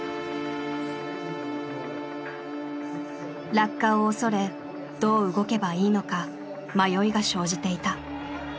落下を恐れどう動けばいいのか迷いが生じていた。